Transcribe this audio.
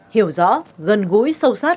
hiểu rõ gần gũi sâu sát